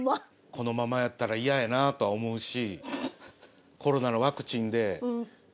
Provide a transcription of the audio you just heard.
このままやったら嫌やなとは思うし。